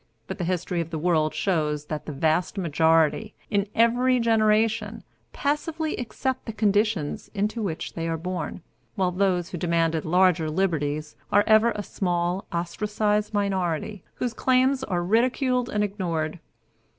But the history of the world shows that the vast majority, in every generation, passively accept the conditions into which they are born, while those who demanded larger liberties are ever a small, ostracized minority, whose claims are ridiculed and ignored.